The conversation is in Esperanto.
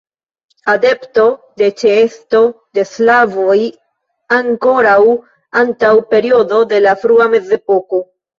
Adepto de ĉeesto de slavoj ankoraŭ antaŭ periodo de la frua mezepoko.